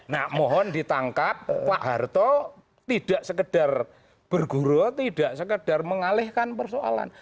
nah mohon ditangkap pak harto tidak sekedar berguru tidak sekedar mengalihkan persoalan